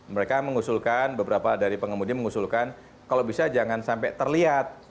mereka mengusulkan beberapa dari pengemudi mengusulkan kalau bisa jangan sampai terlihat